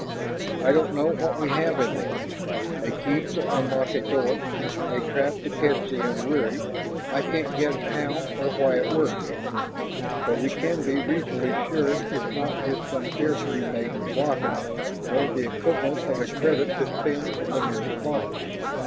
"I don't know what we have in this a key to unlock a door, a trap to catch the unwary. I can't guess how or why it works. But we can be reasonably sure it's not just some carefree maiden's locket, nor the equivalent of a credit to spend in the nearest bar.